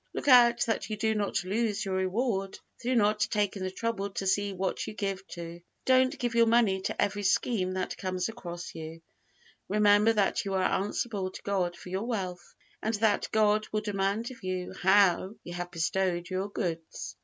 Look out that you do not lose your reward through not taking the trouble to see what you give to; don't give your money to every scheme that comes across you. Remember that you are answerable to God for your wealth, and that God will demand of you HOW you have bestowed your goods."